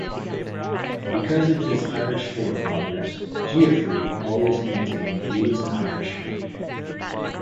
Because of his Irish forefathers, Geoffrey always maintained he was an Irishman.